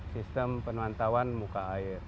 sistem pemantauan muka air